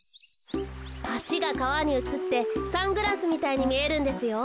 はしがかわにうつってサングラスみたいにみえるんですよ。